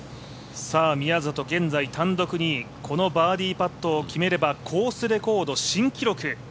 宮里、現在単独２位、このバーディーパットを決めればコースレコード新記録。